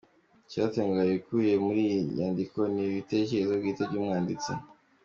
Icyitonderwa: Ibikubiye muri iyi nyandiko ni ibitekerezo bwite by’umwanditsi.